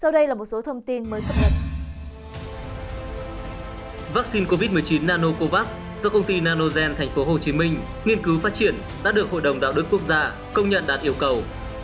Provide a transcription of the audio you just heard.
do công ty nanogen tp hcm nghiên cứu phát triển đã được hội đồng đạo đức quốc gia công nhận đạt yêu cầu